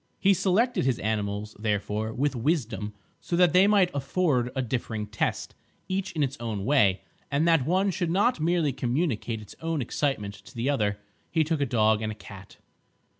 He selected his animals, therefore, with wisdom so that they might afford a differing test, each in its own way, and that one should not merely communicate its own excitement to the other. He took a dog and a cat.